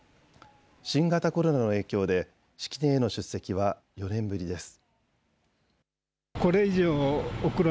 新型コロナの影響で式典への出席は４年ぶりです。